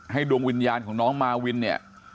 ดวงวิญญาณของน้องมาวินเนี่ย